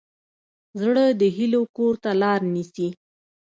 زړه د هیلو کور ته لار نیسي.